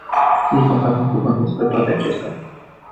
Nici măcar un cuvânt despre toate acestea.